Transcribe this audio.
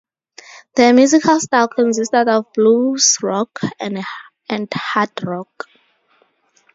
Their musical style consisted of blues rock, and hard rock.